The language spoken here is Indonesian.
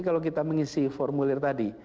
kalau kita mengisi formulir tadi